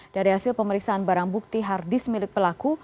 dari hasil pemeriksaan barang bukti hard disk milik pelaku